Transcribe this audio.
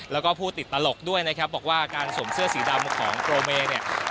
แล้วก็ผู้ติดตลกด้วยนะครับบอกว่าการสวมเสื้อสีดำของโปรเมย์เนี่ย